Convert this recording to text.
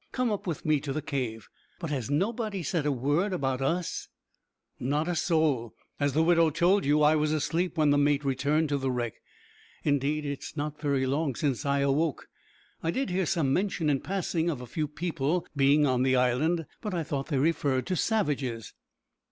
Come up with me to the cave. But has nobody said a word about us?" "Not a soul. As the widow told you, I was asleep when the mate returned to the wreck. Indeed, it is not very long since I awoke. I did hear some mention in passing of a few people being on the island, but I thought they referred to savages."